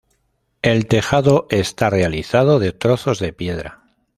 El tejado está realizado de trozos de piedra.